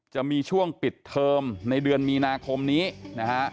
จะมีช่วงปิดเทอมในเดือนมีนาคมนี้นะฮะ